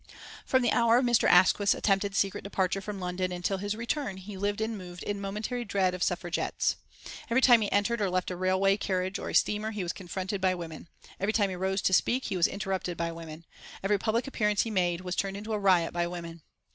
From the hour of Mr. Asquith's attempted secret departure from London until his return he lived and moved in momentary dread of Suffragettes. Every time he entered or left a railway carriage or a steamer he was confronted by women. Every time he rose to speak he was interrupted by women. Every public appearance he made was turned into a riot by women.